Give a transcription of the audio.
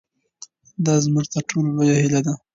دا زموږ تر ټولو لویه هیله ده.